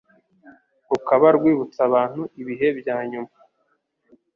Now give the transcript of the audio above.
rukaba rwibutsa abantu ibihe bya nyuma